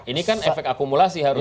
ini kan efek akumulasi harusnya